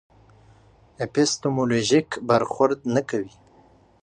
اپیستیمولوژیک برخورد نه کوي.